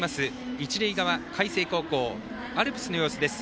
一塁側、海星高校アルプスの様子です。